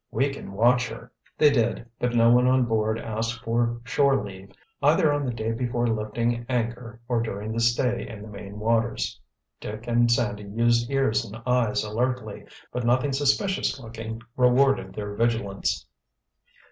"We can watch her." They did, but no one on board asked for shore leave, either on the day before lifting anchor or during the stay in the Maine waters. Dick and Sandy used ears and eyes alertly; but nothing suspicious looking rewarded their vigilance.